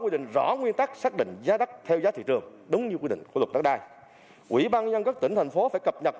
trong các mối quan hệ này